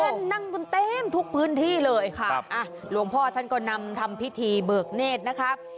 ท่านนั่งกันเต็มทุกพื้นที่เลยค่ะหลวงพ่อท่านก็นำทำพิธีเบิกเนธนะครับ